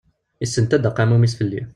Yessenta-d aqamum-is fell-i.